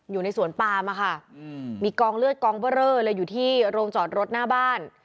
อยู่ในสวนปามอะค่ะมีกองเลือดกองเบอร์เรอเลยอยู่ที่โรงจอดรถหน้าบ้าน